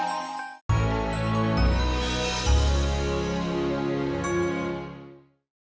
sampai jumpa lagi